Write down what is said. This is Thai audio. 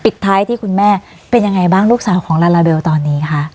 ท้ายที่คุณแม่เป็นยังไงบ้างลูกสาวของลาลาเบลตอนนี้คะ